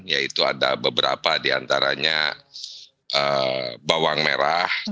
yaitu ada beberapa diantaranya bawang merah